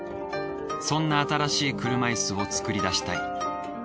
そんな新しい車イスを作り出したい。